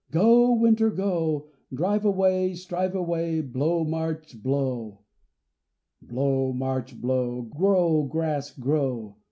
Go, Winter, go! Drive away, Strive away, Blow, March, blow! Blow, March, blow! Grow, grass, grow!